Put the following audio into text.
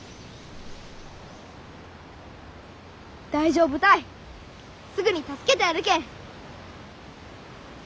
大丈夫たいすぐに助けてやるけん。